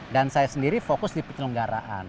dan saya sendiri fokus di penyelenggaraan